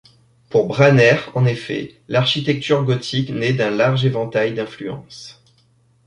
Pour Branner, en effet, l'architecture gothique naît d'un large éventail d'influences.